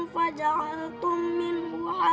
fa ja'artum minhu haraman halala